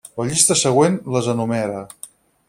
La llista següent les enumera.